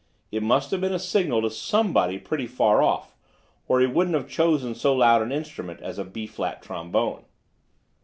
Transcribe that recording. It must have been a signal to somebody pretty far off, or he wouldn't have chosen so loud an instrument as a B flat trombone."